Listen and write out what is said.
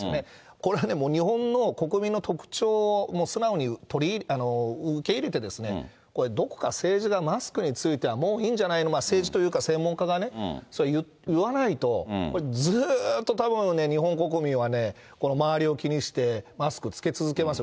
これはもう日本の国民の特徴を素直に受け入れて、どこか政治がマスクについては、もういいんじゃないの、政治というか、専門家がね、それを言わないと、ずっとたぶん、日本国民はね、この周りを気にしてマスク着け続けますよ。